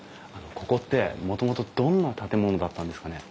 ここってもともとどんな建物だったんですかね？